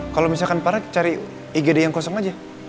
kalau misalkan para cari igd yang kosong aja